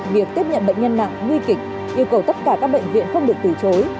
việc tiếp nhận bệnh nhân nặng nguy kịch yêu cầu tất cả các bệnh viện không được từ chối